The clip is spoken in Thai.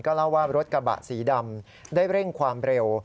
เล่าว่ารถกระบะสีดำได้เร่งความเร็ว